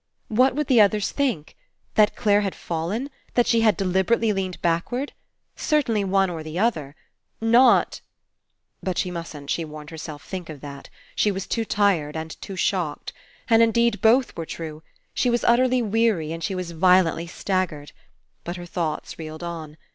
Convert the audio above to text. What would the others think? That Clare had fallen? That she had deliberately leaned backward? Certainly one or the other. Not— But she mustn't, she warned herself, think of that. She was too tired, and too shocked. And, indeed, both were true. She was utterly weary, and she was violently staggered. But her thoughts reeled on.